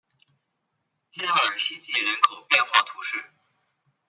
加尔希济人口变化图示